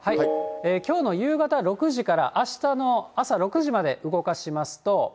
きょうの夕方６時からあしたの朝６時まで、動かしますと。